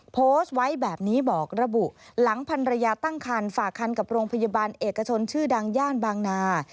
โพสต์ไว้แบบนี้บอกระบุหลังพันรยาตั้งคันฝากคันกับโรงพยาบาลเอกชนชื่อดังย่านบางนา